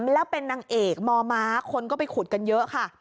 แล้วเป็นนางเอกมมคนก็ไปขุดกันเยอะค่ะ